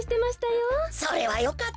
それはよかったのだ。